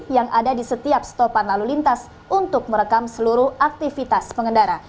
yang ada di setiap stopan lalu lintas untuk merekam seluruh aktivitas pengendara